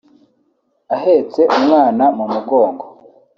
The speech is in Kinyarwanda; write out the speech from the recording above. ahetse umwana mu mugongo